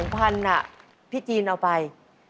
๒๐๐๐บาทน่ะพี่จีนเอาไป